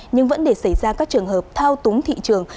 nhưng vẫn để xảy ra các trường hợp thao túng thị trường